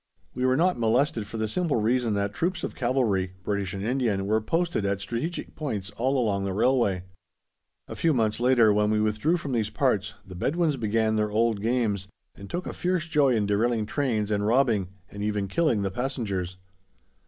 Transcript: We were not molested for the simple reason that troops of cavalry, British and Indian, were posted at strategic points all along the railway. A few months later, when we withdrew from these parts, the Bedouins began their old games, and took a fierce joy in derailing trains, and robbing, and even killing, the passengers.